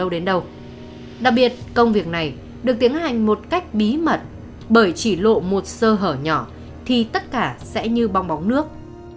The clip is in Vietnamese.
đặc biệt công việc này được tiến hành một cách bí mật bởi chỉ lộ một sơ hở nhỏ thì tất cả sẽ như bong bóng nước